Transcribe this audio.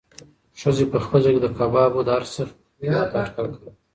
ښځې په خپل زړه کې د کبابو د هر سیخ قیمت اټکل کاوه.